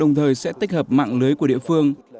cổng thông tin này đồng thời sẽ tích hợp mạng lưới của địa phương